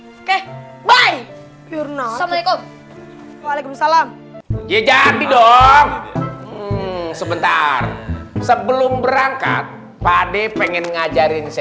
oke bye assalamualaikum waalaikumsalam jadi dong sebentar sebelum berangkat pade pengen ngajarin